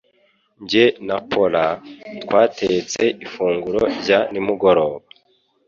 Jye na Paula twatetse ifunguro rya nimugoroba.